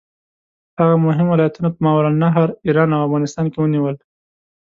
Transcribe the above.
هغه مهم ولایتونه په ماوراالنهر، ایران او افغانستان کې ونیول.